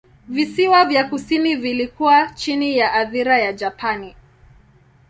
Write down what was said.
Visiwa vya kusini vilikuwa chini ya athira ya Japani.